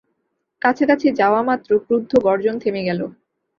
কাছাকাছি যাওয়ামাত্র ক্রুদ্ধ গর্জন থেমে গেল।